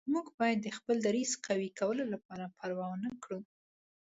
موږ باید د خپل دریځ قوي کولو لپاره پروا ونه کړو.